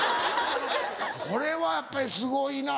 これはやっぱりすごいな。